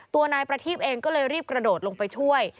ตัวนายประทีบเองก็เลยรีบกระโดดลงไปช่วย